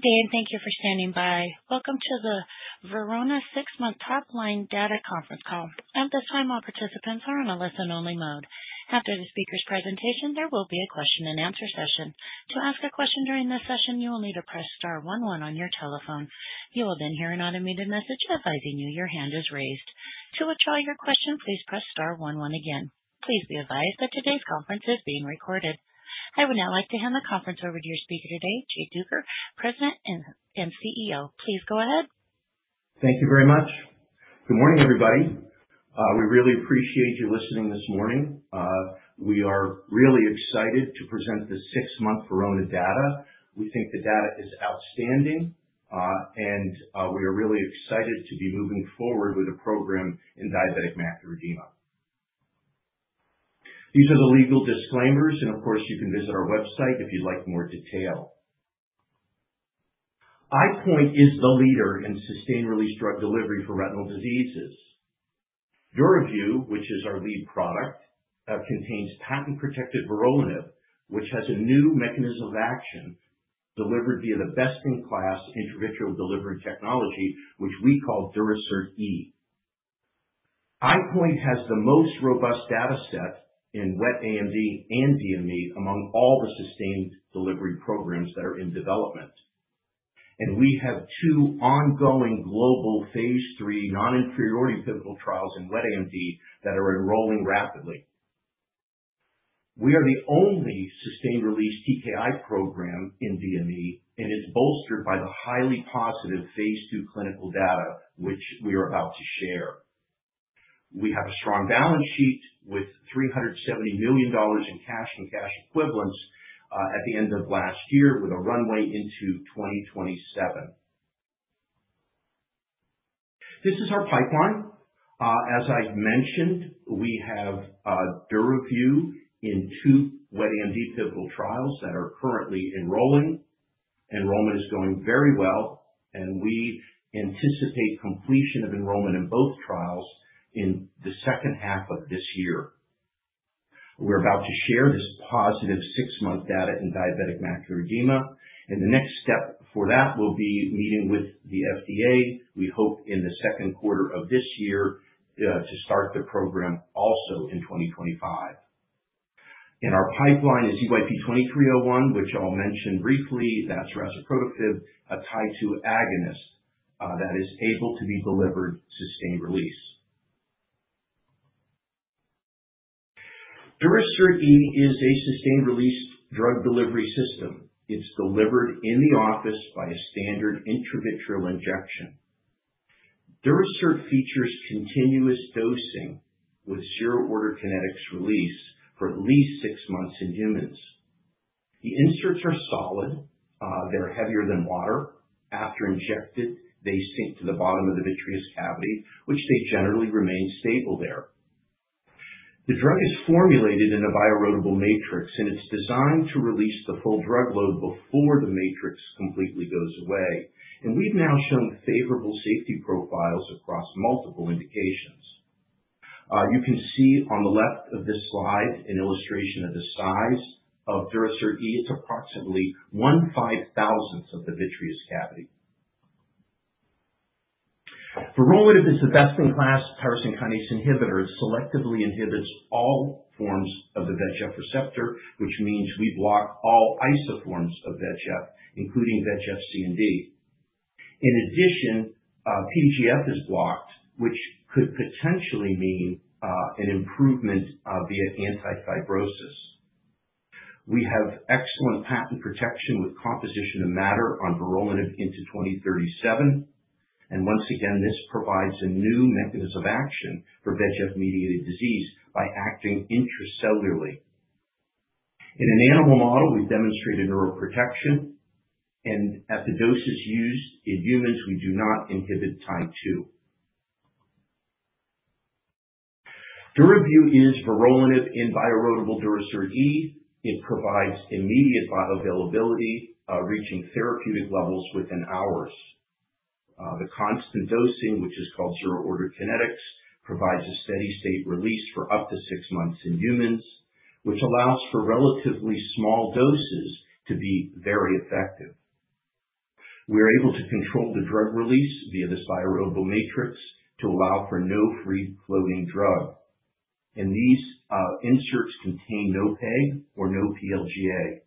Good day, and thank you for standing by. Welcome to the VERONA Six-Month Topline Data Conference Call. I would now like to hand the conference over to your speaker today, Jay Duker, President and CEO. Please go ahead. Thank you very much. Good morning, everybody. We really appreciate you listening this morning. We are really excited to present the Six-Month VERONA Data. We think the data is outstanding, and we are really excited to be moving forward with a program in diabetic macular edema. These are the legal disclaimers, and of course, you can visit our website if you'd like more detail. EyePoint is the leader in sustained-release drug delivery for retinal diseases. DURAVYU, which is our lead product, contains patent-protected vorolanib, which has a new mechanism of action delivered via the best-in-class intravitreal delivery technology, which we call Durasert E. EyePoint has the most robust data set in wet AMD and DME among all the sustained delivery programs that are in development, and we have two ongoing global phase III non-inferiority pivotal trials in wet AMD that are enrolling rapidly. We are the only sustained-release TKI program in DME, and it's bolstered by the highly positive phase II clinical data, which we are about to share. We have a strong balance sheet with $370 million in cash and cash equivalents at the end of last year, with a runway into 2027. This is our pipeline. As I mentioned, we have DURAVYU in two wet AMD pivotal trials that are currently enrolling. Enrollment is going very well, and we anticipate completion of enrollment in both trials in the second half of this year. We're about to share this positive six-month data in diabetic macular edema, and the next step for that will be meeting with the FDA, we hope in the Q2 of this year, to start the program also in 2025, and our pipeline is EYP-2301, which I'll mention briefly. That's razuprotafib, a Tie2 agonist that is able to be delivered sustained-release. Durasert E is a sustained-release drug delivery system. It's delivered in the office by a standard intravitreal injection. Durasert E features continuous dosing with zero-order kinetics release for at least six months in humans. The inserts are solid. They're heavier than water. After injected, they sink to the bottom of the vitreous cavity, where they generally remain stable there. The drug is formulated in a bioerodible matrix, and it's designed to release the full drug load before the matrix completely goes away. We've now shown favorable safety profiles across multiple indications. You can see on the left of this slide an illustration of the size of Durasert E. It's approximately 1/5,000 of the vitreous cavity. Vorolanib is the best-in-class tyrosine kinase inhibitor. It selectively inhibits all forms of the VEGF receptor, which means we block all isoforms of VEGF, including VEGF-C and VEGF-D. In addition, PGF is blocked, which could potentially mean an improvement via anti-fibrosis. We have excellent patent protection with composition of matter on vorolanib into 2037. And once again, this provides a new mechanism of action for VEGF-mediated disease by acting intracellularly. In an animal model, we've demonstrated neuroprotection, and at the doses used in humans, we do not inhibit Tie2. DURAVYU is vorolanib in bioerodible Durasert E. It provides immediate bioavailability, reaching therapeutic levels within hours. The constant dosing, which is called zero-order kinetics, provides a steady-state release for up to six months in humans, which allows for relatively small doses to be very effective. We're able to control the drug release via this bioerodible matrix to allow for no free-floating drug. These inserts contain no PEG or no PLGA.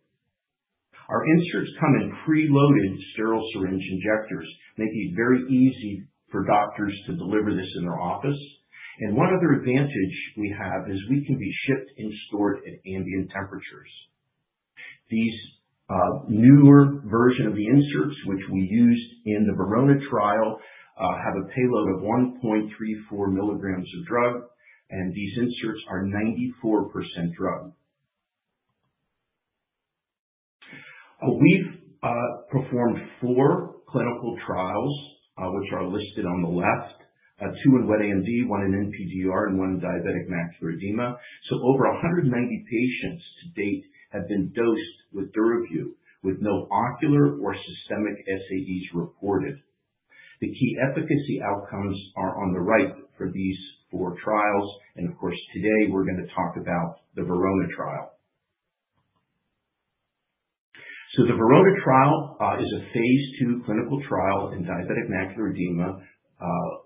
Our inserts come in preloaded sterile syringe injectors, making it very easy for doctors to deliver this in their office. One other advantage we have is we can be shipped and stored at ambient temperatures. These newer versions of the inserts, which we used in the VERONA trial, have a payload of 1.34 milligrams of drug, and these inserts are 94% drug. We've performed four clinical trials, which are listed on the left, two in wet AMD, one in NPDR, and one in diabetic macular edema. Over 190 patients to date have been dosed with DURAVYU, with no ocular or systemic SAEs reported. The key efficacy outcomes are on the right for these four trials. Of course, today we're going to talk about the VERONA trial. The VERONA trial is a phase II clinical trial in diabetic macular edema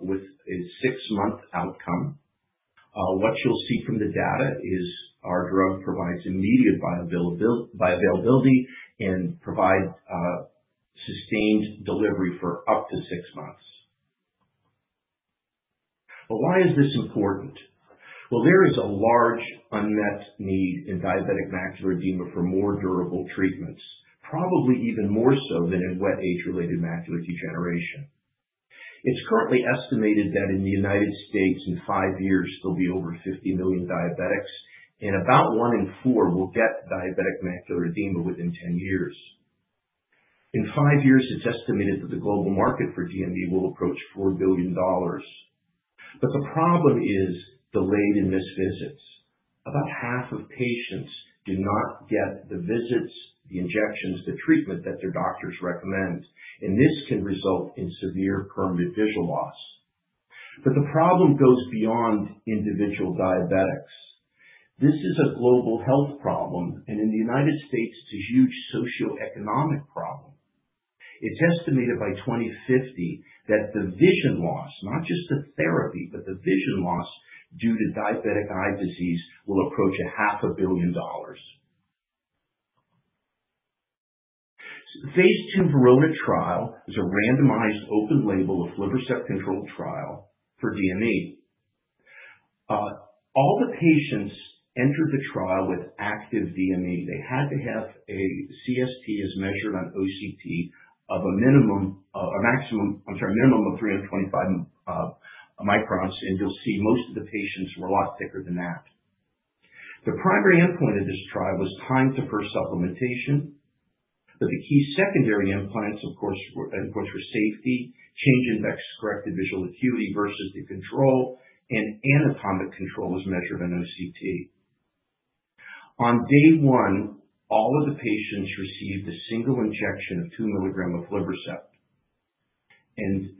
with a six-month outcome. What you'll see from the data is our drug provides immediate bioavailability and provides sustained delivery for up to six months. Why is this important? There is a large unmet need in diabetic macular edema for more durable treatments, probably even more so than in wet age-related macular degeneration. It's currently estimated that in the United States, in five years, there'll be over 50 million diabetics, and about one in four will get diabetic macular edema within 10 years. In five years, it's estimated that the global market for DME will approach $4 billion. But the problem is delayed in missed visits. About half of patients do not get the visits, the injections, the treatment that their doctors recommend. This can result in severe permanent vision loss. The problem goes beyond individual diabetics. This is a global health problem, and in the United States, it's a huge socioeconomic problem. It's estimated by 2050 that the vision loss, not just the therapy, but the vision loss due to diabetic eye disease will approach $500 million. The phase II VERONA trial is a randomized open-label aflibercept-controlled trial for DME. All the patients entered the trial with active DME. They had to have a CST, as measured on OCT, of a minimum—a maximum, I'm sorry, minimum of 325 microns. And you'll see most of the patients were a lot thicker than that. The primary endpoint of this trial was time to first supplementation, but the key secondary endpoints, of course, were safety, change in best-corrected visual acuity versus the control, and anatomic control was measured on OCT. On day one, all of the patients received a single injection of two milligrams of aflibercept.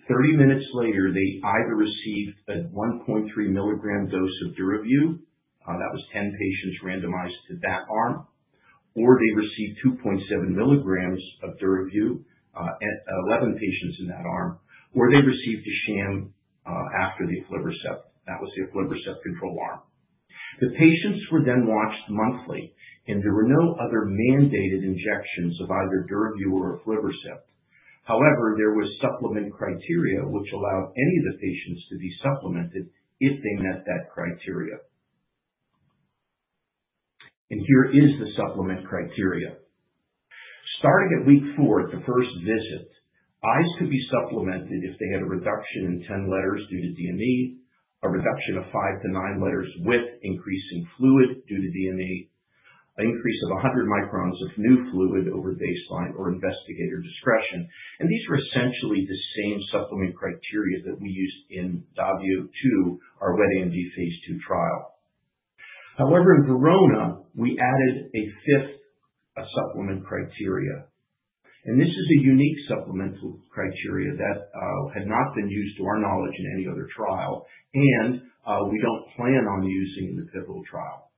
Thirty minutes later, they either received a 1.3mg dose of DURAVYU—that was 10 patients randomized to that arm—or they received 2.7mg of DURAVYU, 11 patients in that arm, or they received a sham after the aflibercept. That was the aflibercept-controlled arm. The patients were then watched monthly, and there were no other mandated injections of either DURAVYU or aflibercept. However, there were supplement criteria which allowed any of the patients to be supplemented if they met that criteria. Here is the supplement criteria. Starting at week four at the first visit, eyes could be supplemented if they had a reduction in 10 letters due to DME, a reduction of five to nine letters with increasing fluid due to DME, an increase of 100 microns of new fluid over baseline or investigator discretion. And these were essentially the same supplement criteria that we used in DAVIO 2, our wet AMD phase II trial. However, in VERONA, we added a fifth supplement criteria. And this is a unique supplemental criteria that had not been used, to our knowledge, in any other trial, and we don't plan on using in the pivotal trial.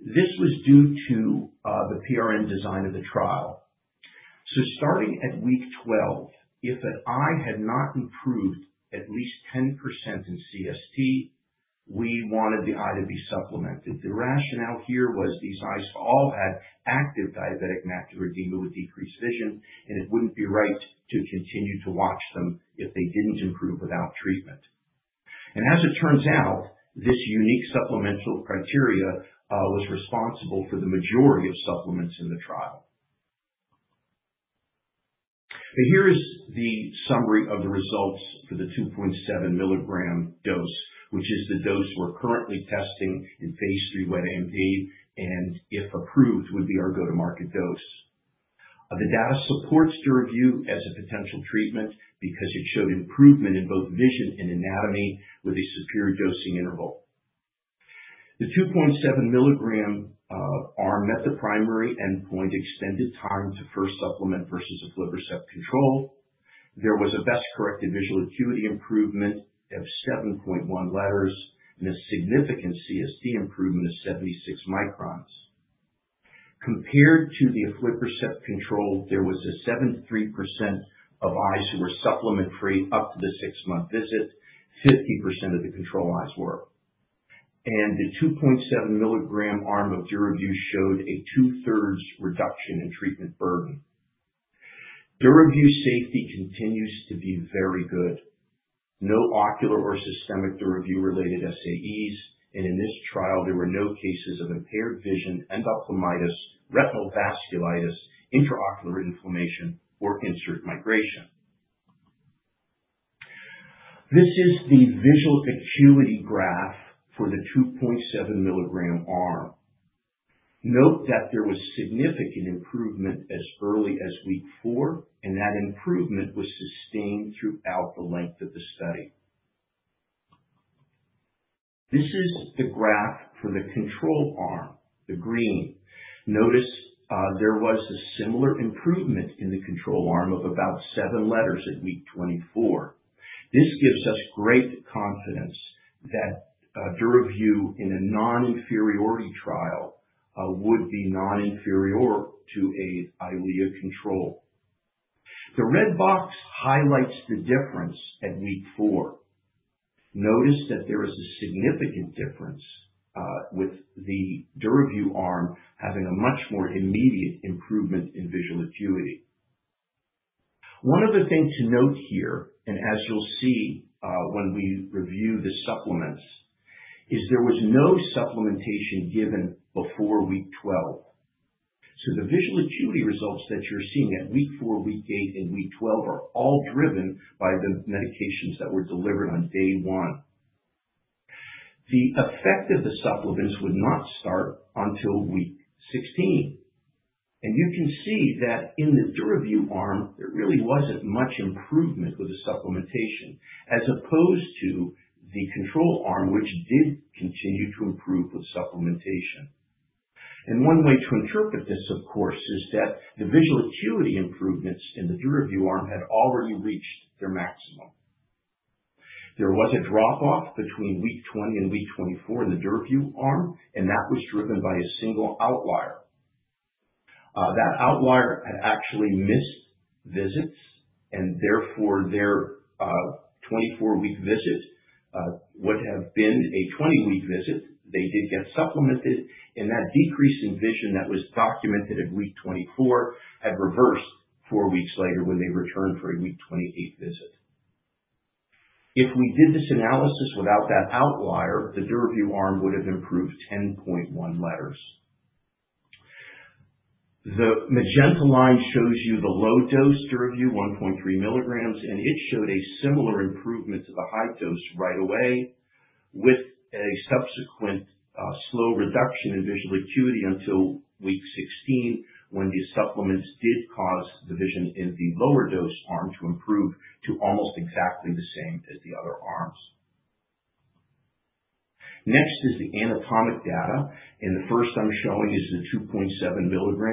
This was due to the PRN design of the trial. So starting at week 12, if an eye had not improved at least 10% in CST, we wanted the eye to be supplemented. The rationale here was these eyes all had active diabetic macular edema with decreased vision, and it wouldn't be right to continue to watch them if they didn't improve without treatment, and as it turns out, this unique supplemental criteria was responsible for the majority of supplements in the trial, but here is the summary of the results for the 2.7mg dose, which is the dose we're currently testing in phase III wet AMD, and if approved, would be our go-to-market dose. The data supports DURAVYU as a potential treatment because it showed improvement in both vision and anatomy with a superior dosing interval. The 2.7mg arm met the primary endpoint, extended time to first aflibercept control. There was a best-corrected visual acuity improvement of 7.1 letters and a significant CST improvement of 76 microns. Compared to the aflibercept control, there was a 73% of eyes who were supplement-free up to the six-month visit. 50% of the control eyes were. And the 2.7mg arm of DURAVYU showed a 2/3 reduction in treatment burden. DURAVYU safety continues to be very good. No ocular or systemic DURAVYU-related SAEs. And in this trial, there were no cases of impaired vision, endophthalmitis, retinal vasculitis, intraocular inflammation, or insert migration. This is the visual acuity graph for the 2.7mg arm. Note that there was significant improvement as early as week four, and that improvement was sustained throughout the length of the study. This is the graph for the control arm, the green. Notice there was a similar improvement in the control arm of about seven letters at week 24. This gives us great confidence that DURAVYU in a non-inferiority trial would be non-inferior to a Eylea control. The red box highlights the difference at week four. Notice that there is a significant difference with the DURAVYU arm having a much more immediate improvement in visual acuity. One other thing to note here, and as you'll see when we review the supplements, is there was no supplementation given before week 12. So the visual acuity results that you're seeing at week four, week eight, and week 12 are all driven by the medications that were delivered on day one. The effect of the supplements would not start until week 16, and you can see that in the DURAVYU arm, there really wasn't much improvement with the supplementation, as opposed to the control arm, which did continue to improve with supplementation, and one way to interpret this, of course, is that the visual acuity improvements in the DURAVYU arm had already reached their maximum. There was a drop-off between week 20 and week 24 in the DURAVYU arm, and that was driven by a single outlier. That outlier had actually missed visits, and therefore their 24-week visit would have been a 20-week visit. They did get supplemented, and that decrease in vision that was documented at week 24 had reversed four weeks later when they returned for a week 28 visit. If we did this analysis without that outlier, the DURAVYU arm would have improved 10.1 letters. The magenta line shows you the low-dose DURAVYU, 1.3mg, and it showed a similar improvement to the high dose right away, with a subsequent slow reduction in visual acuity until week 16, when the supplements did cause the vision in the lower dose arm to improve to almost exactly the same as the other arms. Next is the anatomic data. The first I'm showing is the 2.7mg.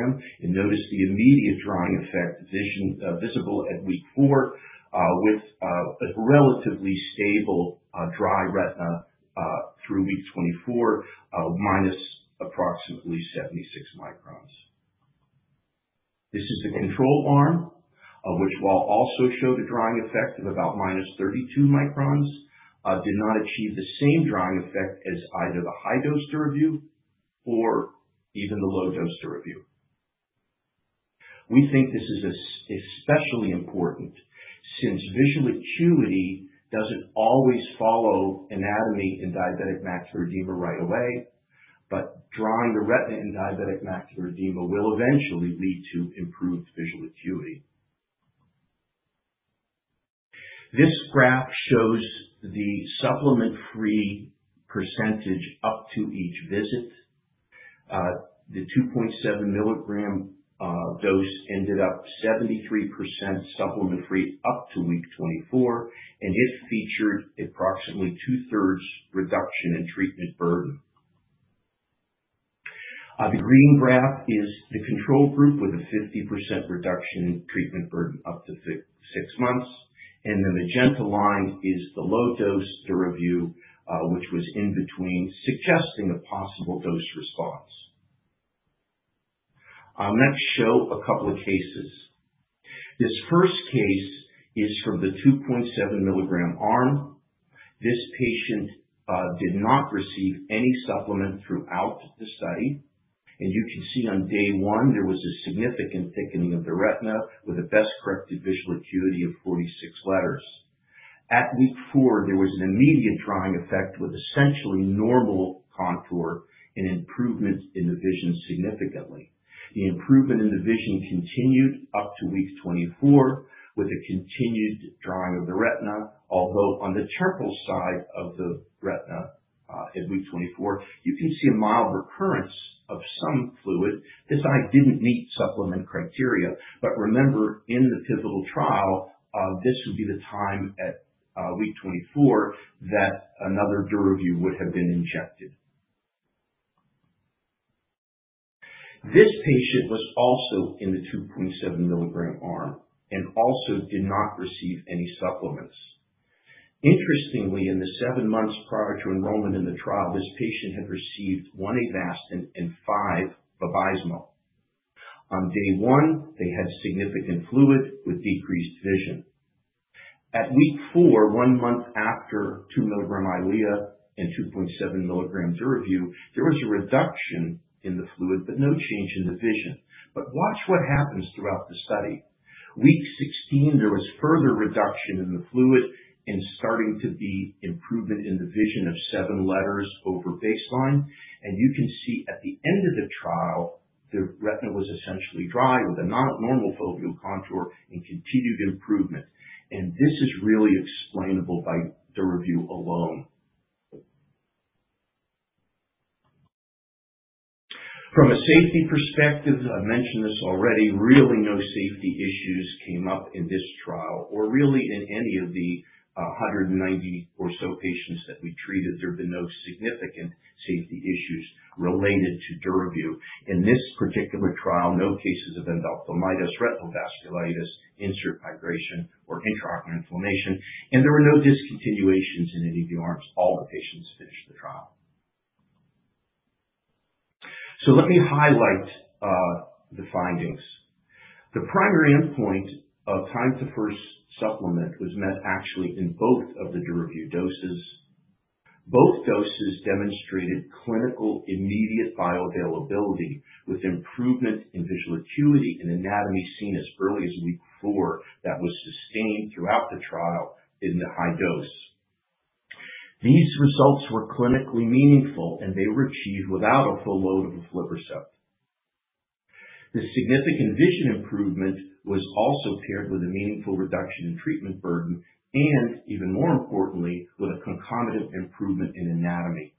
Notice the immediate drying effect visible at week four, with a relatively stable dry retina through week 24, approximately -76 microns. This is the control arm, which while also showed a drying effect of about -32 microns, did not achieve the same drying effect as either the high-dose DURAVYU or even the low-dose DURAVYU. We think this is especially important since visual acuity doesn't always follow anatomy in diabetic macular edema right away, but drying the retina in diabetic macular edema will eventually lead to improved visual acuity. This graph shows the supplement-free percentage up to each visit. The 2.7mg dose ended up 73% supplement-free up to week 24, and it featured approximately 2/3 reduction in treatment burden. The green graph is the control group with a 50% reduction in treatment burden up to six months. The magenta line is the low-dose DURAVYU, which was in between, suggesting a possible dose response. I'll next show a couple of cases. This first case is from the 2.7mg arm. This patient did not receive any supplement throughout the study. You can see on day one, there was a significant thickening of the retina with a best-corrected visual acuity of 46 letters. At week four, there was an immediate drying effect with essentially normal contour and improvement in the vision significantly. The improvement in the vision continued up to week 24, with a continued drying of the retina, although on the temporal side of the retina at week 24, you can see a mild recurrence of some fluid. This eye didn't meet supplement criteria. Remember, in the pivotal trial, this would be the time at week 24 that another DURAVYU would have been injected. This patient was also in the 2.7mg arm and also did not receive any supplements. Interestingly, in the seven months prior to enrollment in the trial, this patient had received one Avastin and five Vabysmo. On day one, they had significant fluid with decreased vision. At week four, one month after 2mg Eylea and 2.7mg DURAVYU, there was a reduction in the fluid, but no change in the vision. But watch what happens throughout the study. Week 16, there was further reduction in the fluid and starting to be improvement in the vision of seven letters over baseline. And you can see at the end of the trial, the retina was essentially dry with a normal foveal contour and continued improvement. And this is really explainable by DURAVYU alone. From a safety perspective, I mentioned this already. Really no safety issues came up in this trial, or really in any of the 190 or so patients that we treated. There have been no significant safety issues related to DURAVYU. In this particular trial, no cases of endophthalmitis, retinal vasculitis, insert migration, or intraocular inflammation, and there were no discontinuations in any of the arms. All the patients finished the trial. Let me highlight the findings. The primary endpoint of time to first supplement was met actually in both of the DURAVYU doses. Both doses demonstrated clinical immediate bioavailability with improvement in visual acuity and anatomy seen as early as week four that was sustained throughout the trial in the high dose. These results were clinically meaningful, and they were achieved without a full load of aflibercept. The significant vision improvement was also paired with a meaningful reduction in treatment burden, and even more importantly, with a concomitant improvement in anatomy.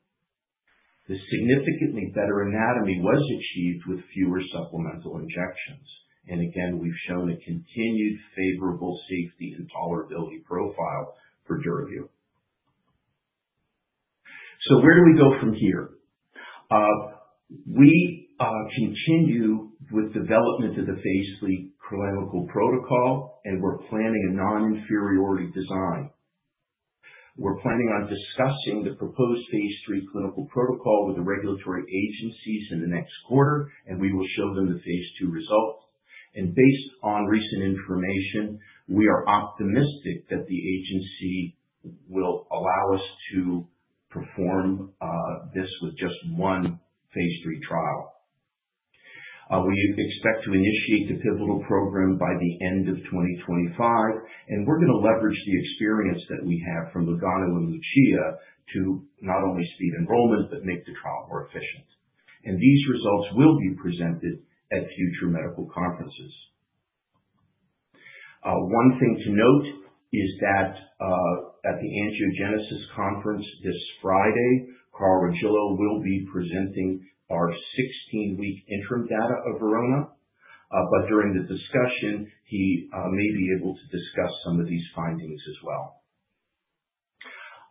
The significantly better anatomy was achieved with fewer supplemental injections. And again, we've shown a continued favorable safety and tolerability profile for DURAVYU. So where do we go from here? We continue with development of the phase III clinical protocol, and we're planning a non-inferiority design. We're planning on discussing the proposed phase III clinical protocol with the regulatory agencies in the next quarter, and we will show them the phase II result. And based on recent information, we are optimistic that the agency will allow us to perform this with just one phase III trial. We expect to initiate the pivotal program by the end of 2025, and we're going to leverage the experience that we have from LUGANO and LUCIA to not only speed enrollment, but make the trial more efficient, and these results will be presented at future medical conferences. One thing to note is that at the Angiogenesis Conference this friday, Carl Regillo will be presenting our 16-week interim data of VERONA, but during the discussion, he may be able to discuss some of these findings as well.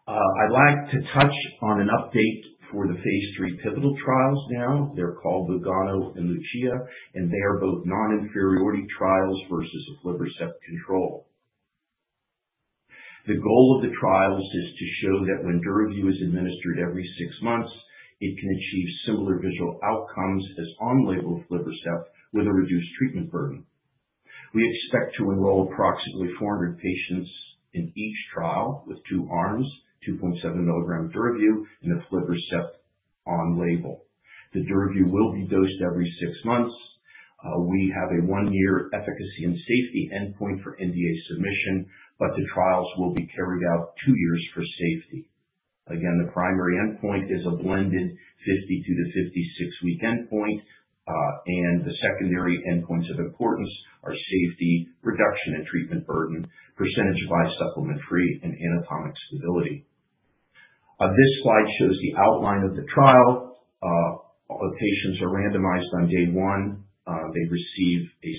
I'd like to touch on an update for the phase III pivotal trials now. They're called LUGANO and LUCIA, and they are both non-inferiority trials versus aflibercept control. The goal of the trials is to show that when DURAVYU is administered every six months, it can achieve similar visual outcomes as on-label aflibercept with a reduced treatment burden. We expect to enroll approximately 400 patients in each trial with two arms, 2.7mg DURAVYU and aflibercept on-label. The DURAVYU will be dosed every six months. We have a one-year efficacy and safety endpoint for NDA submission, but the trials will be carried out two years for safety. Again, the primary endpoint is a blended 52- to 56-week endpoint, and the secondary endpoints of importance are safety, reduction in treatment burden, percentage of eye supplement-free, and anatomic stability. This slide shows the outline of the trial. Patients are randomized on day one. They receive a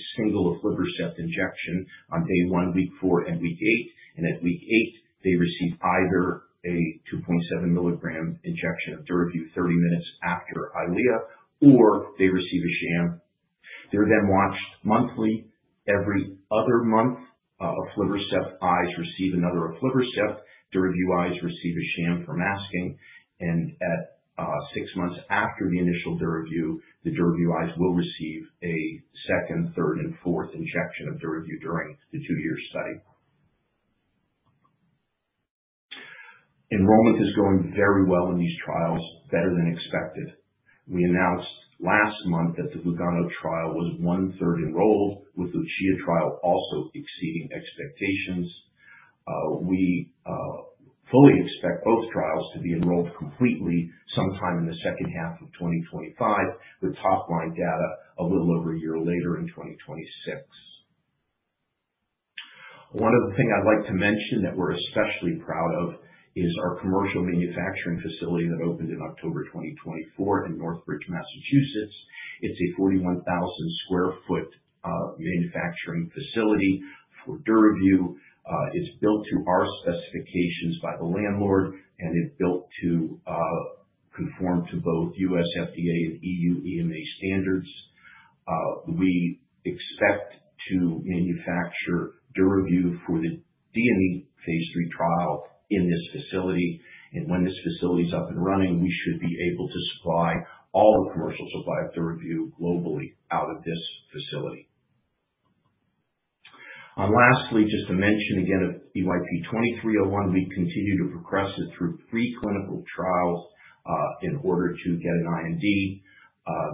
single aflibercept injection on day one, week four, and week eight and at week eight, they receive either a 2.7mg injection of DURAVYU 30 minutes after Eylea, or they receive a sham. They're then watched monthly. Every other month, aflibercept eyes receive another aflibercept. DURAVYU eyes receive a sham from masking. At six months after the initial DURAVYU, the DURAVYU eyes will receive a second, third, and fourth injection of DURAVYU during the two-year study. Enrollment is going very well in these trials, better than expected. We announced last month that the LUGANO trial was 1/3 enrolled, with the LUCIA trial also exceeding expectations. We fully expect both trials to be enrolled completely sometime in the second half of 2025, with top-line data a little over a year later in 2026. One other thing I'd like to mention that we're especially proud of is our commercial manufacturing facility that opened in October 2024 in Northbridge, Massachusetts. It's a 41,000 sq ft manufacturing facility for DURAVYU. It's built to our specifications by the landlord, and it's built to conform to both U.S. FDA and EU EMA standards. We expect to manufacture DURAVYU for the DME phase III trial in this facility. When this facility is up and running, we should be able to supply all the commercial supply of DURAVYU globally out of this facility. Lastly, just to mention again of EYP-2301, we continue to progress it through preclinical trials in order to get an IND.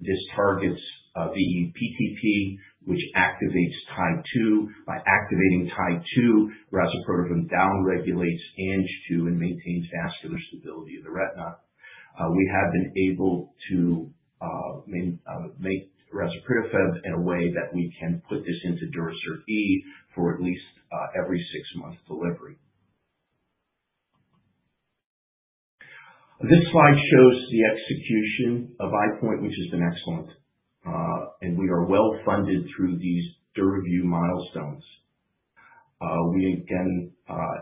This targets VE-PTP, which activates Tie2. By activating Tie2, razuprotafib downregulates angiopoietin and maintains vascular stability of the retina. We have been able to make razuprotafib in a way that we can put this into Durasert E for at least every six-month delivery. This slide shows the execution of EyePoint, which has been excellent. We are well-funded through these DURAVYU milestones. We again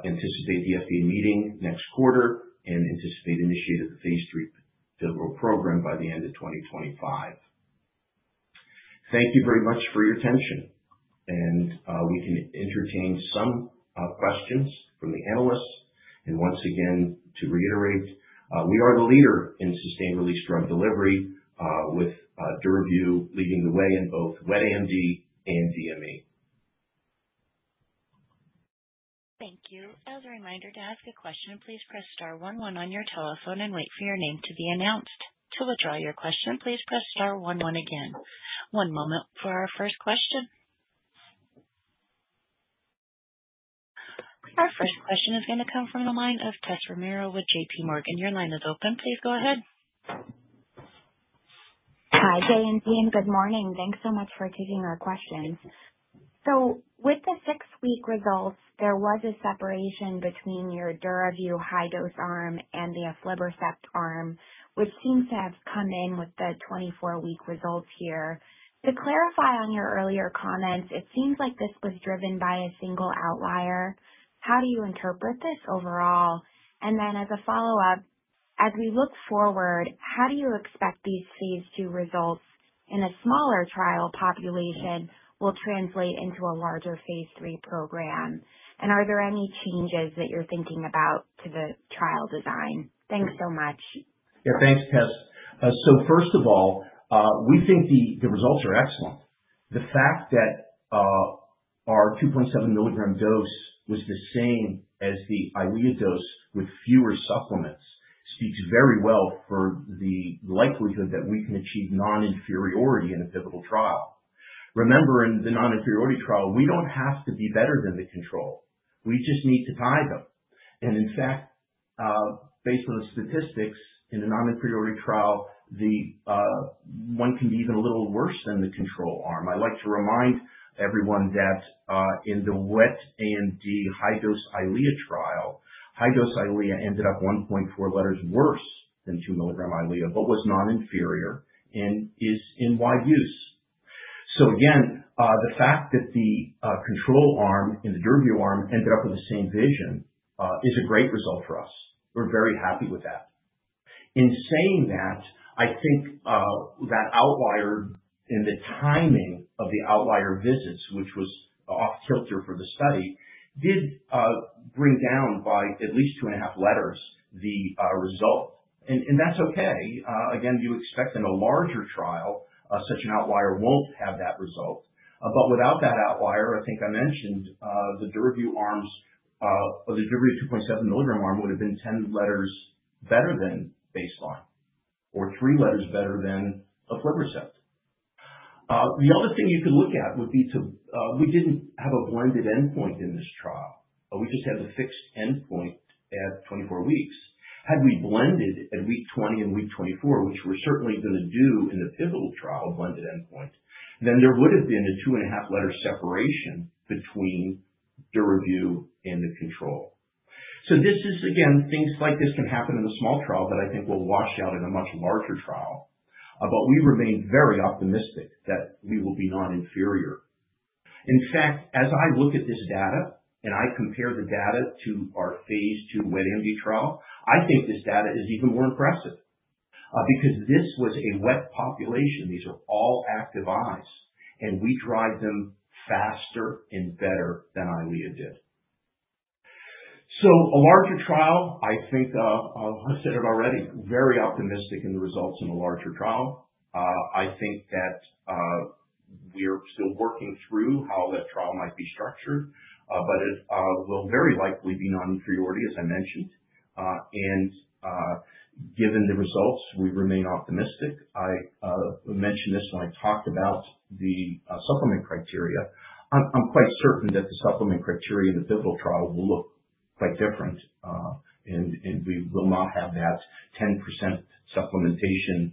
anticipate the FDA meeting next quarter and anticipate initiating the phase III pivotal program by the end of 2025. Thank you very much for your attention. We can entertain some questions from the analysts. Once again, to reiterate, we are the leader in sustained-release drug delivery, with DURAVYU leading the way in both wet AMD and DME. Thank you. One moment for our first question. Our first question is going to come from the line of Tessa Romero with J.P. Morgan. Your line is open. Please go ahead. Hi, Jay and team. Good morning. Thanks so much for taking our questions. With the six-week results, there was a separation between your DURAVYU high-dose arm and the aflibercept arm, which seems to have come in with the 24-week results here. To clarify on your earlier comments, it seems like this was driven by a single outlier. How do you interpret this overall? And then as a follow-up, as we look forward, how do you expect these phase II results in a smaller trial population will translate into a larger phase III program? And are there any changes that you're thinking about to the trial design? Thanks so much. Yeah, thanks, Tess. So first of all, we think the results are excellent. The fact that our 2.7mg dose was the same as the Eylea dose with fewer supplements speaks very well for the likelihood that we can achieve non-inferiority in a pivotal trial. Remember, in the non-inferiority trial, we don't have to be better than the control. We just need to tie them. And in fact, based on the statistics, in the non-inferiority trial, one can be even a little worse than the control arm. I'd like to remind everyone that in the wet AMD high-dose Eylea trial, high-dose Eylea ended up 1.4 letters worse than Eylea, but was non-inferior and is in wide use. So again, the fact that the control arm and the DURAVYU arm ended up with the same vision is a great result for us. We're very happy with that. In saying that, I think that outlier in the timing of the outlier visits, which was off-kilter for the study, did bring down by at least 2 1/2 letters the result. And that's okay. Again, you expect in a larger trial, such an outlier won't have that result. But without that outlier, I think I mentioned the DURAVYU arms, the DURAVYU 2.7mg arm would have been 10 letters better than baseline or three letters better than aflibercept. The other thing you could look at would be, we didn't have a blended endpoint in this trial. We just had the fixed endpoint at 24 weeks. Had we blended at week 20 and week 24, which we're certainly going to do in the pivotal trial blended endpoint, then there would have been a 2 1/2 letter separation between DURAVYU and the control. So this is, again, things like this can happen in a small trial, but I think will wash out in a much larger trial. But we remain very optimistic that we will be non-inferior. In fact, as I look at this data and I compare the data to our phase II wet AMD trial, I think this data is even more impressive because this was a wet population. These are all active eyes, and we dried them faster and better than Eylea did. So a larger trial, I think I said it already, very optimistic in the results in a larger trial. I think that we're still working through how that trial might be structured, but it will very likely be non-inferiority, as I mentioned. And given the results, we remain optimistic. I mentioned this when I talked about the supplemental criteria. I'm quite certain that the supplemental criteria in the pivotal trial will look quite different, and we will not have that 10% supplementation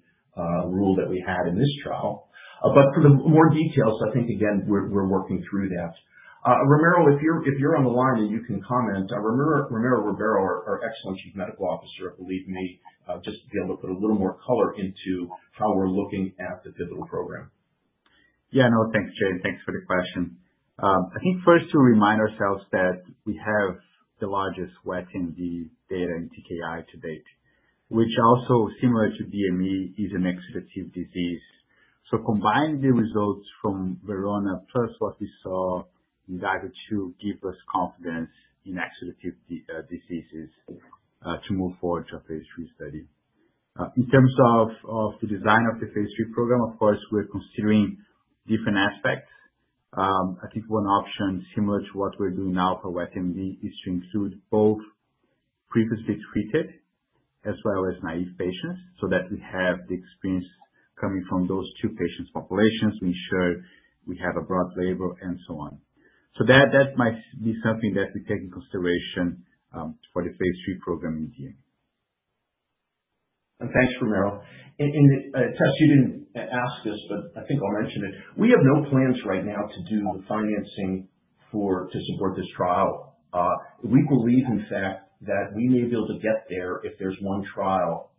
rule that we had in this trial. But for the more details, I think, again, we're working through that. Ramiro, if you're on the line and you can comment, Ramiro Ribeiro, our excellent Chief Medical Officer, I believe, may just be able to put a little more color into how we're looking at the pivotal program. Yeah, no, thanks, Jay. Thanks for the question. I think first to remind ourselves that we have the largest wet AMD data in TKI to date, which also, similar to DME, is an exudative disease. So combine the results from VERONA plus what we saw in DAVIO 2 gives us confidence in exudative diseases to move forward to a phase III study. In terms of the design of the phase III program, of course, we're considering different aspects. I think one option similar to what we're doing now for wet AMD is to include both previously treated as well as naive patients so that we have the experience coming from those two patients' populations. We ensure we have a broad label and so on. So that might be something that we take into consideration for the phase III program indeed. And thanks, Ramiro. And Tess, you didn't ask this, but I think I'll mention it. We have no plans right now to do the financing to support this trial. We believe, in fact, that we may be able to get there if there's one trial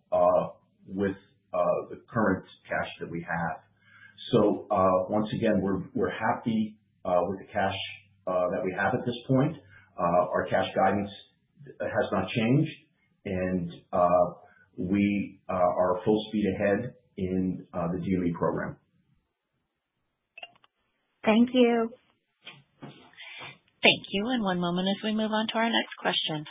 with the current cash that we have. So once again, we're happy with the cash that we have at this point. Our cash guidance has not changed, and we are full speed ahead in the DME program. Thank you. Thank you. And one moment as we move on to our next question.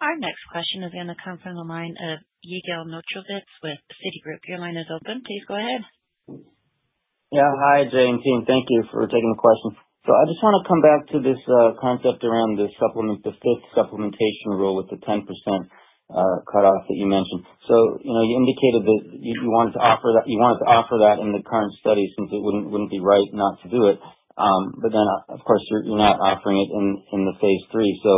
Our next question is going to come from the line of Yigal Nochomovitz with Citi. Your line is open. Please go ahead. Yeah. Hi, Jay and team. Thank you for taking the question. So I just want to come back to this concept around the supplement, the fifth supplementation rule with the 10% cutoff that you mentioned. You indicated that you wanted to offer that in the current study since it wouldn't be right not to do it. But then, of course, you're not offering it in the phase III. So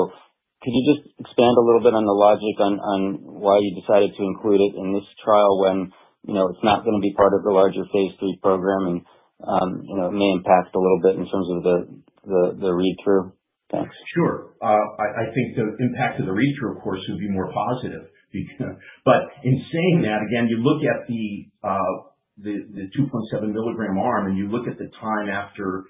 could you just expand a little bit on the logic on why you decided to include it in this trial when it's not going to be part of the larger phase III program and it may impact a little bit in terms of the read-through? Thanks. Sure. I think the impact of the read-through, of course, would be more positive. But in saying that, again, you look at the 2.7mg arm and you look at the time after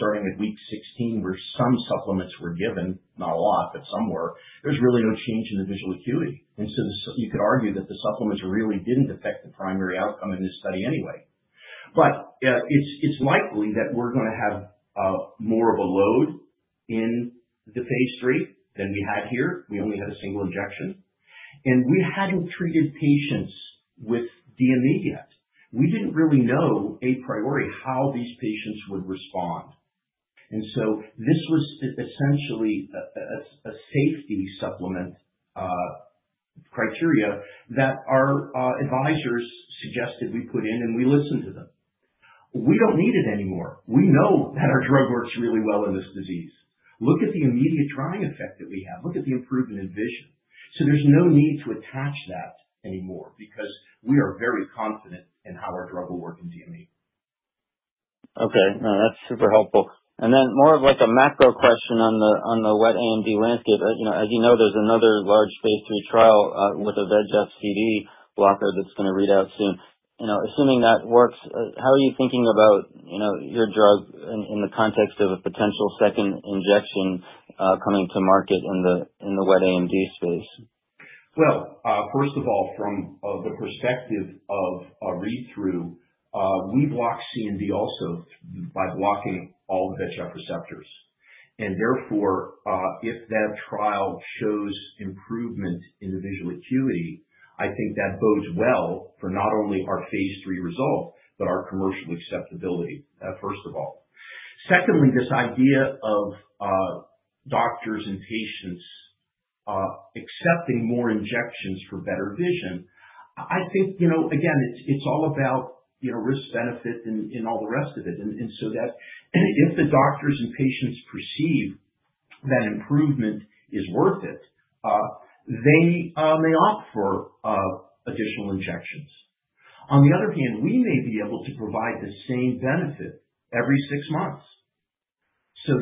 starting at week 16, where some supplements were given, not a lot, but some were. There's really no change in the visual acuity. And so you could argue that the supplements really didn't affect the primary outcome in this study anyway. But it's likely that we're going to have more of a load in the phase III than we had here. We only had a single injection. And we hadn't treated patients with DME yet. We didn't really know a priori how these patients would respond. And so this was essentially a safety supplement criteria that our advisors suggested we put in, and we listened to them. We don't need it anymore. We know that our drug works really well in this disease. Look at the immediate drying effect that we have. Look at the improvement in vision. So there's no need to attach that anymore because we are very confident in how our drug will work in DME. Okay. No, that's super helpful. Then more of like a macro question on the wet AMD landscape. As you know, there's another large phase III trial with a VEGF-C/D blocker that's going to read out soon. Assuming that works, how are you thinking about your drug in the context of a potential second injection coming to market in the wet AMD space? First of all, from the perspective of read-through, we block wet AMD also by blocking all the VEGF receptors. And therefore, if that trial shows improvement in the visual acuity, I think that bodes well for not only our phase III result, but our commercial acceptability, first of all. Secondly, this idea of doctors and patients accepting more injections for better vision, I think, again, it's all about risk-benefit and all the rest of it. And so that if the doctors and patients perceive that improvement is worth it, they opt for additional injections. On the other hand, we may be able to provide the same benefit every six months. So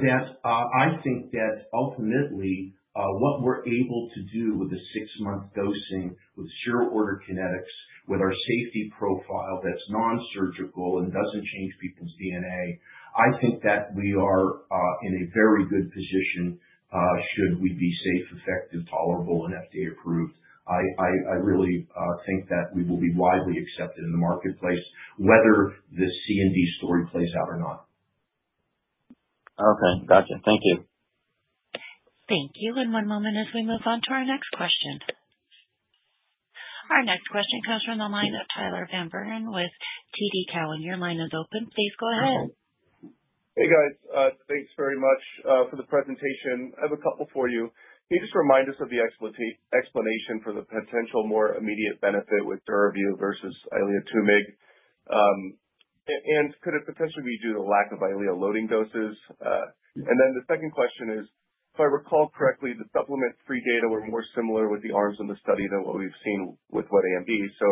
I think that ultimately, what we're able to do with the six-month dosing with zero-order kinetics, with our safety profile that's non-surgical and doesn't change people's DNA, I think that we are in a very good position should we be safe, effective, tolerable, and FDA approved. I really think that we will be widely accepted in the marketplace, whether the DME story plays out or not. Okay. Gotcha. Thank you. Thank you. And one moment as we move on to our next question. Our next question comes from the line of Tyler Van Buren with TD Cowen. Your line is open. Please go ahead. Hey, guys. Thanks very much for the presentation. I have a couple for you. Can you just remind us of the explanation for the potential more immediate benefit with DURAVYU versus Eylea 2mg? And could it potentially be due to the lack of Eylea loading doses? And then the second question is, if I recall correctly, the supplement-free data were more similar with the arms in the study than what we've seen with wet AMD. So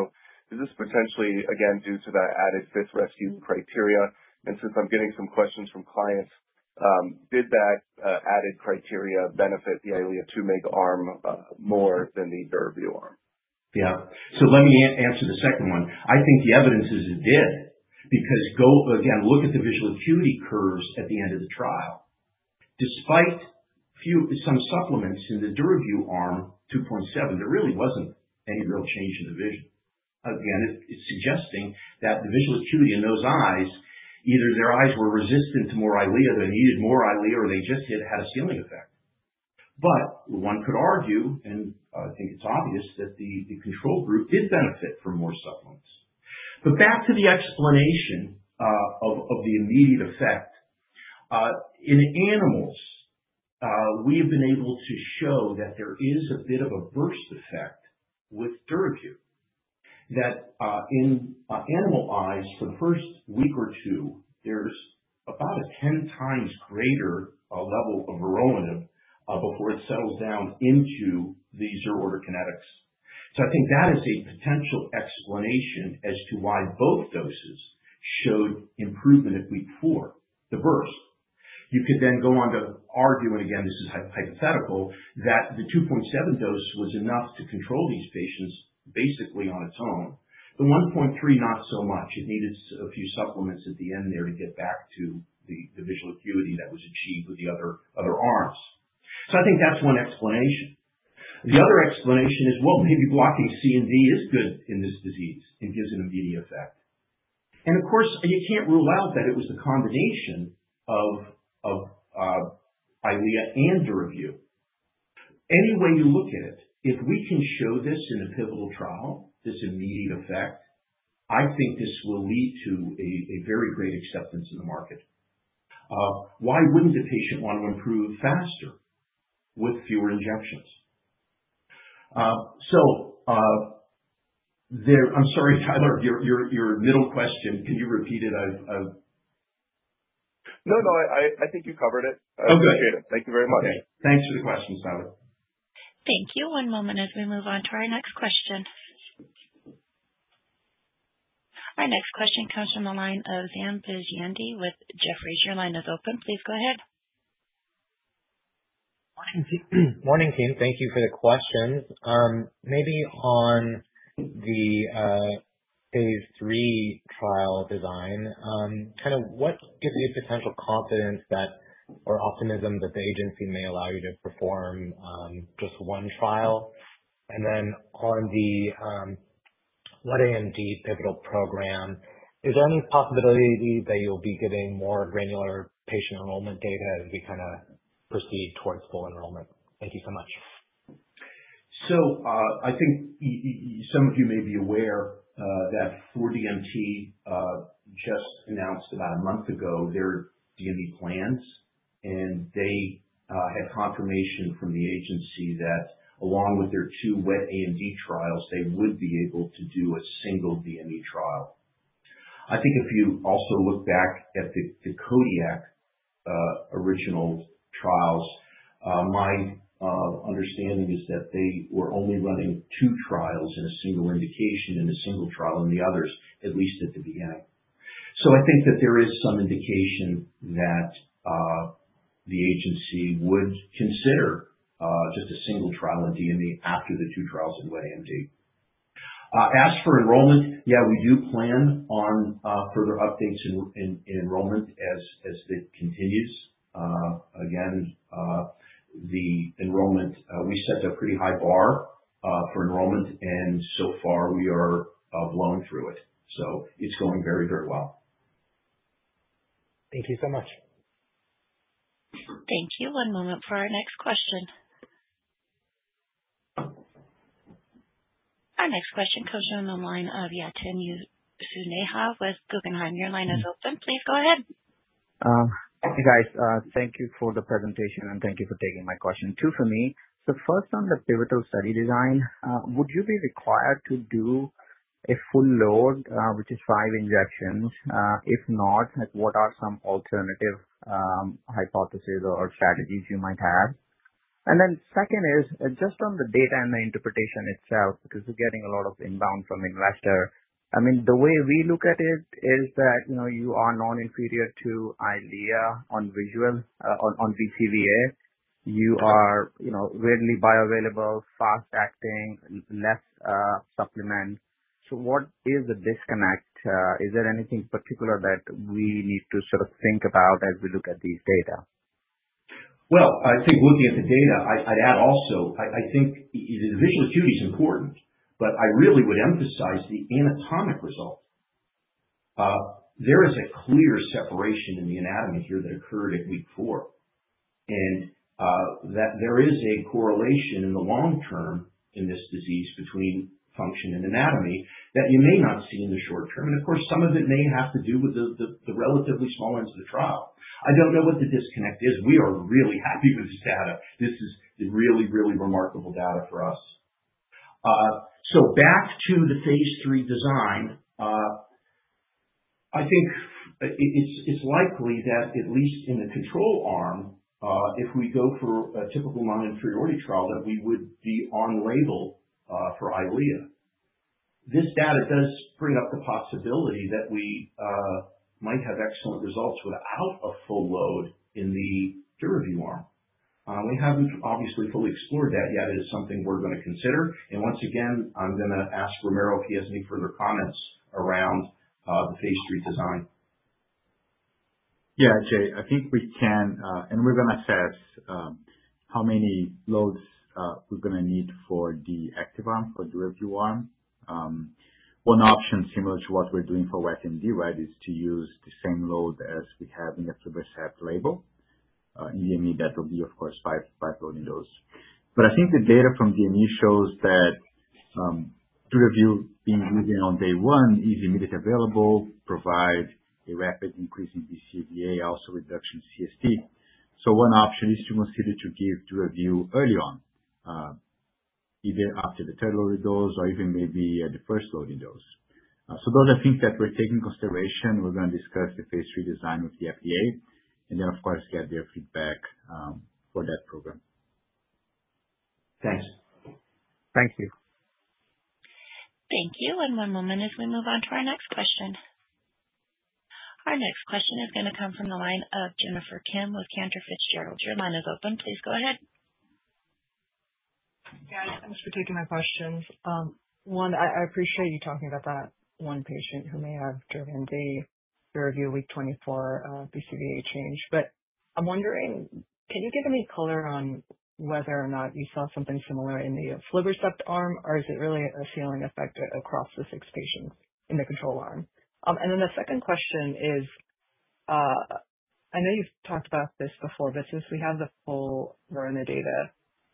is this potentially, again, due to that added fifth rescue criteria? And since I'm getting some questions from clients, did that added criteria benefit the Eylea 2mg arm more than the DURAVYU arm? Yeah. So let me answer the second one. I think the evidence is it did because, again, look at the visual acuity curves at the end of the trial. Despite some supplements in the DURAVYU arm 2.7, there really wasn't any real change in the vision. Again, it's suggesting that the visual acuity in those eyes, either their eyes were resistant to more Eylea, they needed more Eylea, or they just had a ceiling effect. But one could argue, and I think it's obvious that the control group did benefit from more supplements. But back to the explanation of the immediate effect. In animals, we have been able to show that there is a bit of a burst effect with DURAVYU. That in animal eyes, for the first week or two, there's about 10x greater level of vorolanib before it settles down into the zero-order kinetics. So I think that is a potential explanation as to why both doses showed improvement at week four, the burst. You could then go on to argue, and again, this is hypothetical, that the 2.7 dose was enough to control these patients basically on its own. The 1.3, not so much. It needed a few supplements at the end there to get back to the visual acuity that was achieved with the other arms, so I think that's one explanation. The other explanation is, well, maybe blocking DME is good in this disease and gives an immediate effect. And of course, you can't rule out that it was the combination of Eylea and DURAVYU. Any way you look at it, if we can show this in a pivotal trial, this immediate effect, I think this will lead to a very great acceptance in the market. Why wouldn't the patient want to improve faster with fewer injections, so I'm sorry, Tyler, your middle question, can you repeat it? No, no. I think you covered it. I appreciate it. Thank you very much. Thanks for the question, Tyler. Thank you. One moment as we move on to our next question. Our next question comes from the line of Sam Vizyandi with Jefferies. Your line is open. Please go ahead. Morning, team. Thank you for the question. Maybe on the phase III trial design, kind of what gives you potential confidence or optimism that the agency may allow you to perform just one trial? And then on the wet AMD pivotal program, is there any possibility that you'll be getting more granular patient enrollment data as we kind of proceed towards full enrollment? Thank you so much. So I think some of you may be aware that 4DMT just announced about a month ago their DME plans, and they had confirmation from the agency that along with their two wet AMD trials, they would be able to do a single DME trial. I think if you also look back at the Kodiak original trials, my understanding is that they were only running two trials in a single indication and a single trial in the others, at least at the beginning. So I think that there is some indication that the agency would consider just a single trial in DME after the two trials in wet AMD. As for enrollment, yeah, we do plan on further updates in enrollment as it continues. Again, the enrollment, we set a pretty high bar for enrollment, and so far, we are blowing through it. So it's going very, very well. Thank you so much. Thank you. One moment for our next question. Our next question comes from the line of Yatin Suneja with Guggenheim. Your line is open. Please go ahead. Thank you, guys. Thank you for the presentation, and thank you for taking my question. Two for me. So first, on the pivotal study design, would you be required to do a full load, which is five injections? If not, what are some alternative hypotheses or strategies you might have? And then second is, just on the data and the interpretation itself, because we're getting a lot of inbound from investors. I mean, the way we look at it is that you are non-inferior to Eylea on visual on BCVA. You are readily bioavailable, fast-acting, less supplement. So what is the disconnect? Is there anything particular that we need to sort of think about as we look at these data? Well, I think looking at the data, I'd add also, I think the visual acuity is important, but I really would emphasize the anatomic result. There is a clear separation in the anatomy here that occurred at week four. There is a correlation in the long term in this disease between function and anatomy that you may not see in the short term. And of course, some of it may have to do with the relatively small length of the trial. I don't know what the disconnect is. We are really happy with this data. This is really, really remarkable data for us. So back to the phase III design, I think it's likely that at least in the control arm, if we go for a typical non-inferiority trial, that we would be on label for Eylea. This data does bring up the possibility that we might have excellent results without a full load in the DURAVYU arm. We haven't obviously fully explored that yet. It is something we're going to consider. Once again, I'm going to ask Ramiro if he has any further comments around the phase III design. Yeah, Jay, I think we can. We're going to assess how many loads we're going to need for the active arm for DURAVYU arm. One option similar to what we're doing for wet AMD, right, is to use the same load as we have in the aflibercept label. In DME, that will be, of course, five loading dose. I think the data from DME shows that DURAVYU being given on day one is immediately available, provides a rapid increase in BCVA, also reduction in CST. One option is to consider to give DURAVYU early on, either after the third loading dose or even maybe at the first loading dose. Those are things that we're taking into consideration. We're going to discuss the phase III design with the FDA. And then, of course, get their feedback for that program. Thanks. Thank you. Thank you. And one moment as we move on to our next question. Our next question is going to come from the line of Jennifer Kim with Cantor Fitzgerald. Your line is open. Please go ahead. Thanks for taking my questions. One, I appreciate you talking about that one patient who may have driven the DURAVYU week 24 BCVA change. But I'm wondering, can you give any color on whether or not you saw something similar in the aflibercept arm, or is it really a ceiling effect across the six patients in the control arm? And then the second question is, I know you've talked about this before, but since we have the full VERONA data,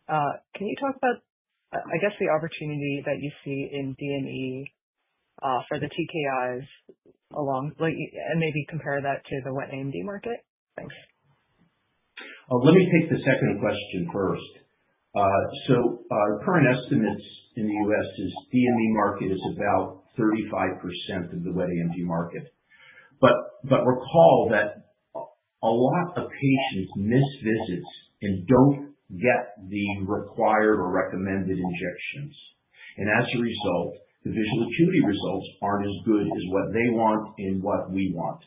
can you talk about, I guess, the opportunity that you see in DME for the TKIs alone, and maybe compare that to the wet AMD market? Thanks. Let me take the second question first. So our current estimates in the US is DME market is about 35% of the wet AMD market. But recall that a lot of patients miss visits and don't get the required or recommended injections. And as a result, the visual acuity results aren't as good as what they want and what we want.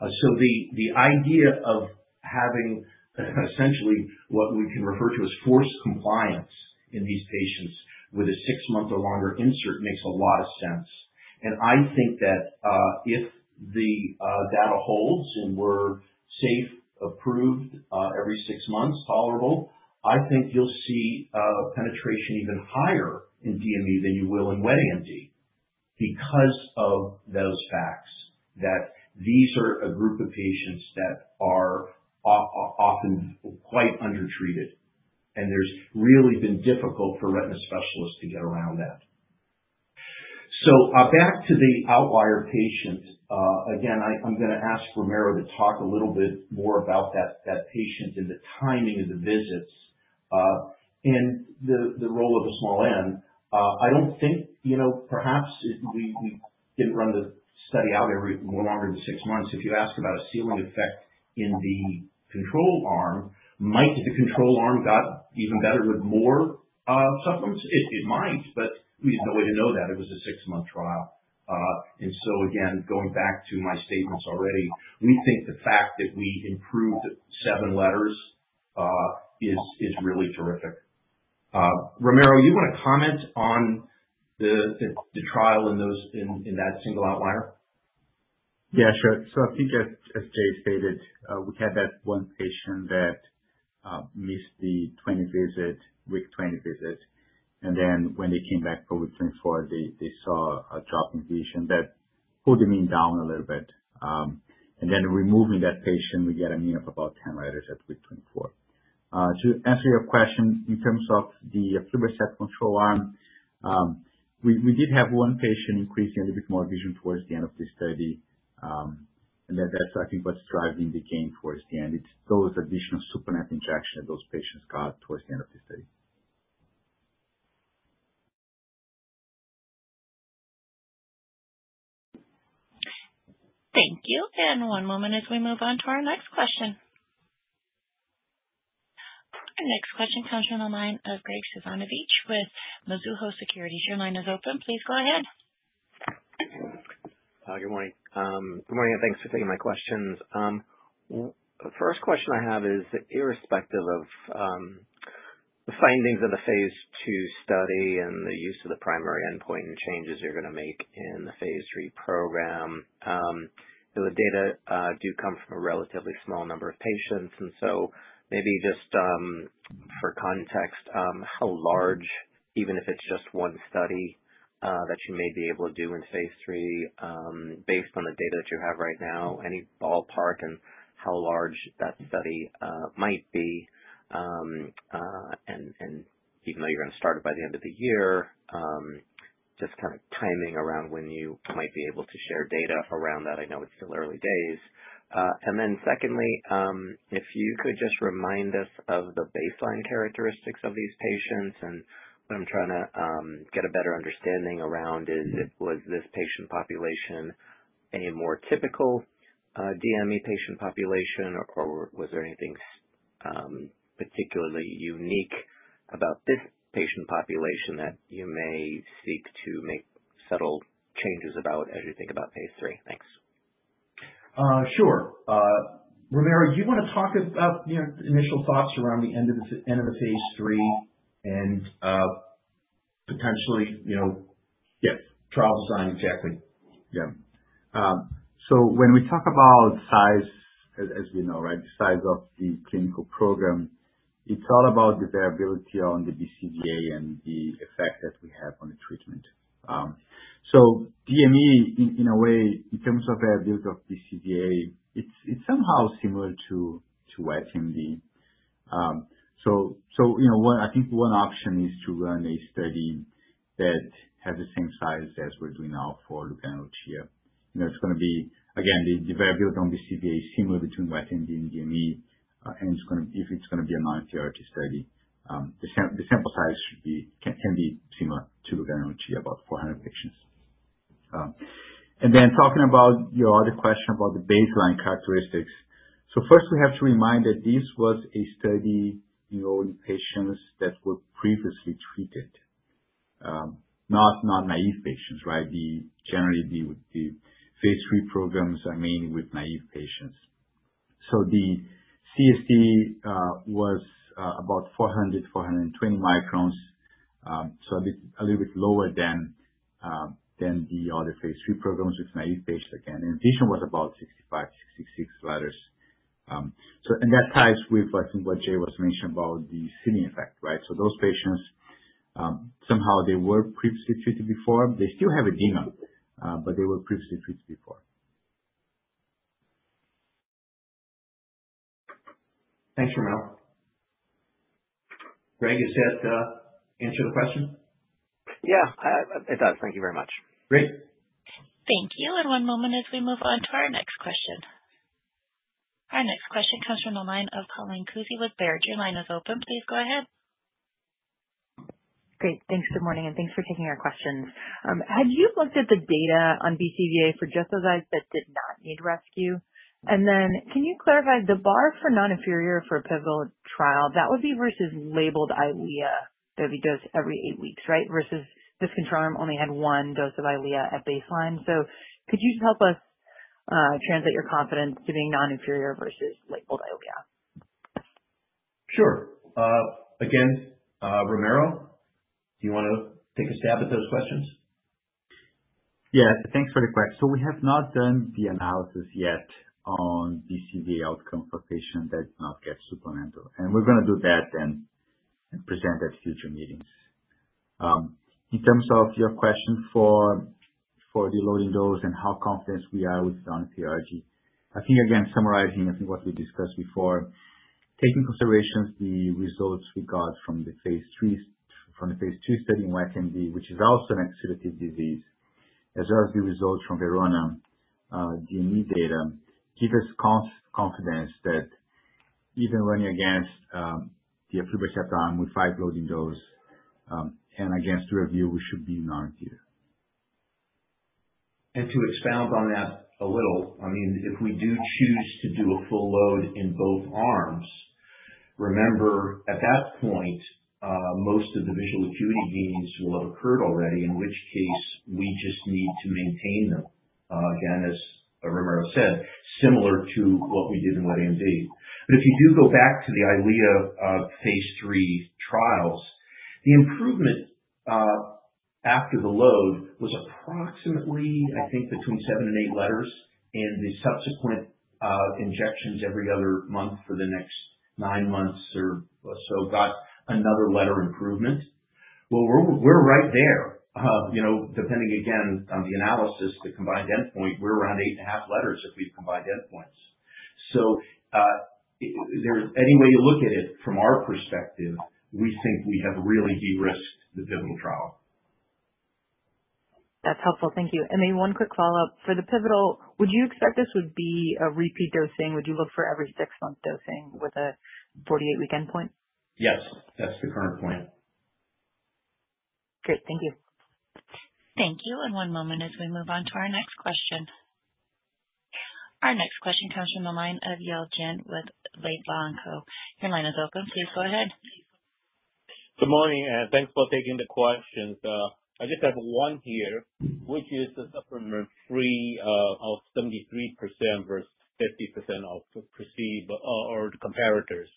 So the idea of having essentially what we can refer to as forced compliance in these patients with a six-month or longer insert makes a lot of sense. And I think that if the data holds and we're safe, approved every six months, tolerable, I think you'll see penetration even higher in DME than you will in wet AMD because of those facts that these are a group of patients that are often quite undertreated. And there's really been difficult for retina specialists to get around that. So back to the outlier patient. Again, I'm going to ask Ramiro to talk a little bit more about that patient and the timing of the visits and the role of the small end. I don't think, perhaps we didn't run the study out more longer than six months. If you ask about a ceiling effect in the control arm, might the control arm got even better with more supplements? It might, but we have no way to know that. It was a six-month trial. And so again, going back to my statements already, we think the fact that we improved seven letters is really terrific. Ramiro, do you want to comment on the trial in that single outlier? Yeah, sure. So I think, as Jay stated, we had that one patient that missed the 20-week visit, week 20 visit. And then when they came back for week 24, they saw a drop in vision that pulled the mean down a little bit. And then removing that patient, we get a mean of about 10 letters at week 24. To answer your question, in terms of the aflibercept control arm, we did have one patient increasing a little bit more vision towards the end of the study. And that's, I think, what's driving the gain towards the end. It's those additional supplemental injections that those patients got towards the end of the study. Thank you. One moment as we move on to our next question. Our next question comes from the line of Graig Suvannavejh with Mizuho Securities. Your line is open. Please go ahead. Good morning. Good morning, and thanks for taking my questions. First question I have is, irrespective of the findings of the phase II study and the use of the primary endpoint and changes you're going to make in the phase III program, the data do come from a relatively small number of patients. And so maybe just for context, how large, even if it's just one study that you may be able to do in phase III, based on the data that you have right now, any ballpark on how large that study might be? Even though you're going to start it by the end of the year, just kind of timing around when you might be able to share data around that. I know it's still early days. And then secondly, if you could just remind us of the baseline characteristics of these patients. And what I'm trying to get a better understanding around is, was this patient population a more typical DME patient population, or was there anything particularly unique about this patient population that you may seek to make subtle changes about as you think about phase III? Thanks. Sure. Ramiro, you want to talk about initial thoughts around the end of the phase III and potentially, yeah, trial design exactly. Yeah. So when we talk about size, as we know, right, the size of the clinical program, it's all about the variability on the BCVA and the effect that we have on the treatment. So DME, in a way, in terms of variability of BCVA, it's somehow similar to wet AMD. So I think one option is to run a study that has the same size as we're doing now for LUGANO and LUCIA. It's going to be, again, the variability on BCVA is similar between wet AMD and DME, and if it's going to be a non-inferiority study, the sample size can be similar to LUGANO and LUCIA, about 400 patients. And then talking about your other question about the baseline characteristics. So first, we have to remind that this was a study in old patients that were previously treated, not naive patients, right? Generally, the phase III programs are mainly with naive patients. So the CST was about 400-420 microns, so a little bit lower than the other phase III programs with naive patients, again. And vision was about 65-66 letters. And that ties with, I think, what Jay was mentioning about the ceiling effect, right? So those patients, somehow, they were previously treated before. They still have edema, but they were previously treated before. Thanks, Ramiro. Graig, does that answer the question? Yeah, it does. Thank you very much. Great. Thank you. And one moment as we move on to our next question. Our next question comes from the line of Colleen Kusy with Baird. Your line is open. Please go ahead. Great. Thanks. Good morning. And thanks for taking our questions. Had you looked at the data on BCVA for just those that did not need rescue? And then can you clarify the bar for non-inferior for a pivotal trial, that would be versus labeled Eylea that we dose every eight weeks, right, versus this control arm only had one dose of Eylea at baseline? So could you just help us translate your confidence to being non-inferior versus labeled Eylea? Sure. Again, Ramiro, do you want to take a stab at those questions? Yeah. Thanks for the question. So we have not done the analysis yet on BCVA outcome for a patient that did not get supplemental. And we're going to do that then and present at future meetings. In terms of your question for the loading dose and how confident we are with non-inferiority, I think, again, summarizing, I think, what we discussed before, taking consideration of the results we got from the phase III study in wet AMD, which is also an exudative disease, as well as the results from VERONA DME data, give us confidence that even running against the aflibercept arm with five loading dose and against DURAVYU, we should be non-inferior. To expound on that a little, I mean, if we do choose to do a full load in both arms, remember, at that point, most of the visual acuity gains will have occurred already, in which case we just need to maintain them, again, as Ramiro said, similar to what we did in wet AMD. But if you do go back to the Eylea phase III trials, the improvement after the load was approximately, I think, between seven and eight letters. And the subsequent injections every other month for the next nine months or so got another letter improvement. Well, we're right there. Depending, again, on the analysis, the combined endpoint, we're around eight and a half letters if we've combined endpoints. So any way you look at it, from our perspective, we think we have really de-risked the pivotal trial. That's helpful. Thank you. And then one quick follow-up. For the pivotal, would you expect this would be a repeat dosing? Would you look for every six-month dosing with a 48-week endpoint? Yes. That's the current plan. Great. Thank you. Thank you. And one moment as we move on to our next question. Our next question comes from the line of Yale Jen with Laidlaw & Co. Your line is open. Please go ahead. Good morning. Thanks for taking the questions. I just have one here, which is the supplement-free rate of 73% versus 50% for the comparators.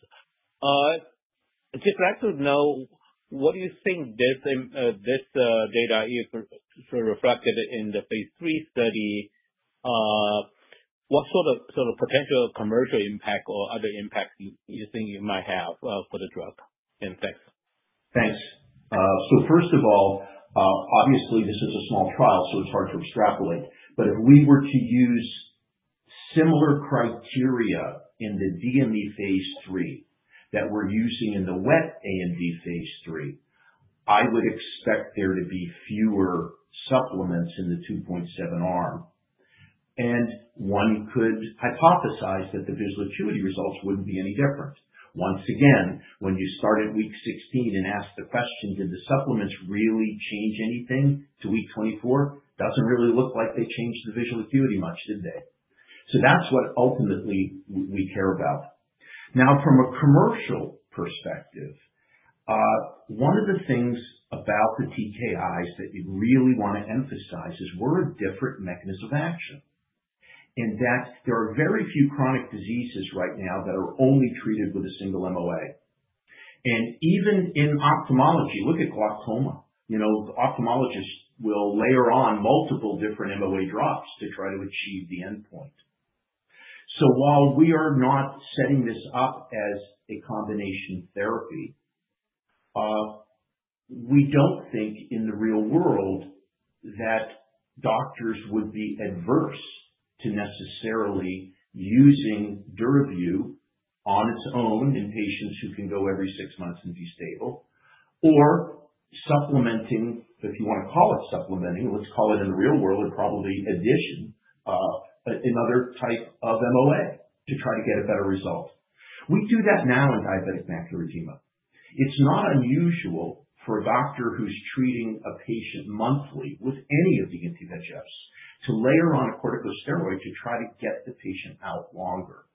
Just like to know, what do you think this data reflected in the phase III study? What sort of potential commercial impact or other impact do you think it might have for the drug? And thanks. Thanks. So first of all, obviously, this is a small trial, so it's hard to extrapolate. But if we were to use similar criteria in the DME phase III that we're using in the wet AMD phase III, I would expect there to be fewer supplements in the 2.7 arm. And one could hypothesize that the visual acuity results wouldn't be any different. Once again, when you start at week 16 and ask the question, did the supplements really change anything to week 24? Doesn't really look like they changed the visual acuity much, did they? So that's what ultimately we care about. Now, from a commercial perspective, one of the things about the TKIs that we really want to emphasize is we're a different mechanism of action. And there are very few chronic diseases right now that are only treated with a single MOA. And even in ophthalmology, look at glaucoma. The ophthalmologist will layer on multiple different MOA drops to try to achieve the endpoint. So while we are not setting this up as a combination therapy, we don't think in the real world that doctors would be adverse to necessarily using DURAVYU on its own in patients who can go every six months and be stable or supplementing, if you want to call it supplementing, let's call it in the real world, probably addition, another type of MOA to try to get a better result. We do that now in diabetic macular edema. It's not unusual for a doctor who's treating a patient monthly with any of the anti-VEGFs to layer on a corticosteroid to try to get the patient out longer.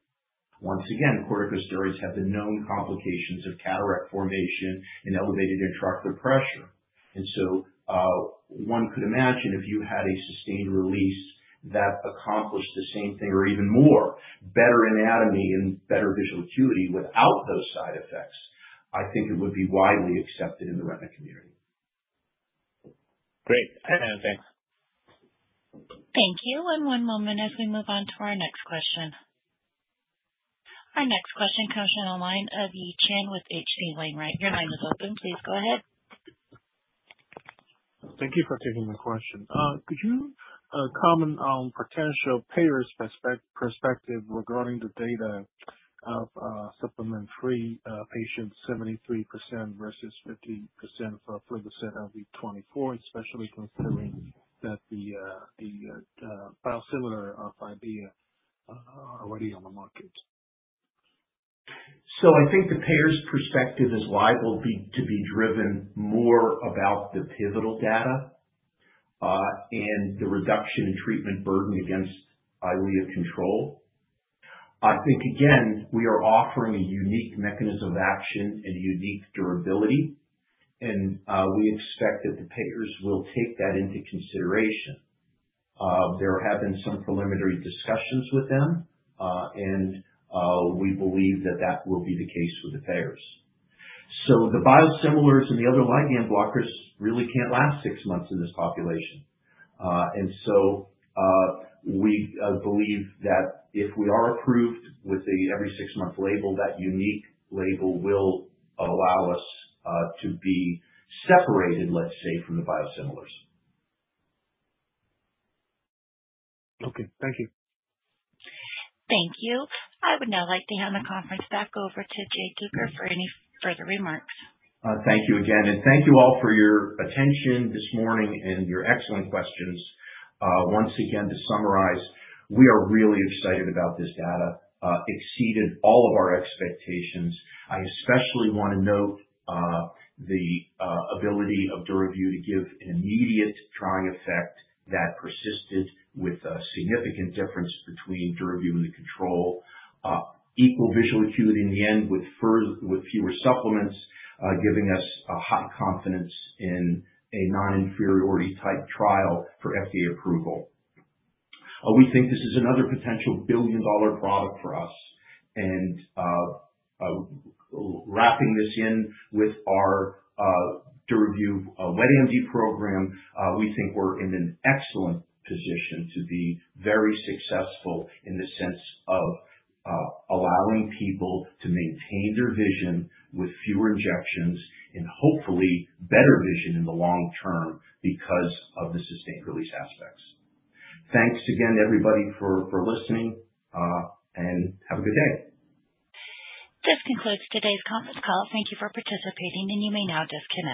Once again, corticosteroids have the known complications of cataract formation and elevated intraocular pressure. One could imagine if you had a sustained release that accomplished the same thing or even more, better anatomy and better visual acuity without those side effects. I think it would be widely accepted in the retina community. Great. And thanks. Thank you. One moment as we move on to our next question. Our next question comes from the line of Yi Chen with H.C. Wainwright & Co. Your line is open. Please go ahead. Thank you for taking my question. Could you comment on potential payers' perspective regarding the data of supplement-free patients, 73% vs 50% for aflibercept on week 24, especially considering that the biosimilars of Eylea are already on the market? I think the payers' perspective is likely to be driven more about the pivotal data and the reduction in treatment burden against Eylea control. I think, again, we are offering a unique mechanism of action and unique durability. And we expect that the payers will take that into consideration. There have been some preliminary discussions with them. And we believe that that will be the case with the payers. So the biosimilars and the other ligand blockers really can't last six months in this population. And so we believe that if we are approved with the every six-month label, that unique label will allow us to be separated, let's say, from the biosimilars. Okay. Thank you. Thank you. I would now like to hand the conference back over to Jay Duker for any further remarks. Thank you again. And thank you all for your attention this morning and your excellent questions. Once again, to summarize, we are really excited about this data. It exceeded all of our expectations. I especially want to note the ability of DURAVYU to give an immediate drying effect that persisted with a significant difference between DURAVYU and the control, equal visual acuity in the end with fewer supplementals, giving us a high confidence in a non-inferiority type trial for FDA approval. We think this is another potential billion-dollar product for us. Wrapping this in with our DURAVYU wet AMD program, we think we're in an excellent position to be very successful in the sense of allowing people to maintain their vision with fewer injections and hopefully better vision in the long term because of the sustained release aspects. Thanks again, everybody, for listening. Have a good day. This concludes today's conference call. Thank you for participating. You may now disconnect.